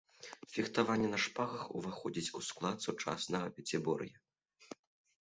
Фехтаванне на шпагах уваходзіць у склад сучаснага пяцібор'я.